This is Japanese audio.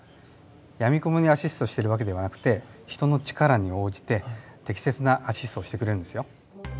やみくもにアシストしてる訳ではなくて人の力に応じて適切なアシストをしてくれるんですよ。